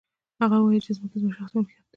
هغه وايي چې ځمکې زما شخصي ملکیت دی